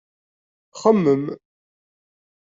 Xemmem!